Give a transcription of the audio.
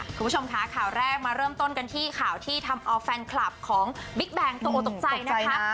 คุณผู้ชมคะข่าวแรกมาเริ่มต้นกันที่ข่าวที่ทำเอาแฟนคลับของบิ๊กแบงโตตกใจนะคะ